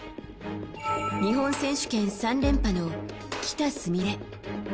日本選手権３連覇の喜田純鈴。